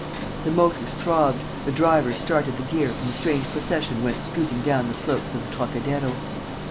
The motors throbbed, the drivers started the gear and the strange procession went scooting down the slopes of the Trocadero.